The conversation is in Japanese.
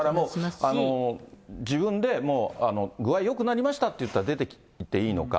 だからもう、自分でもう、具合よくなりましたっていったら、出てきていいのか。